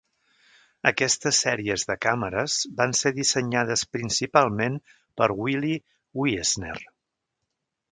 Aquestes sèries de càmeres van ser dissenyades principalment per Willi Wiessner.